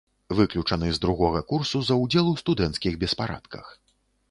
Выключаны з другога курсу за ўдзел у студэнцкіх беспарадках.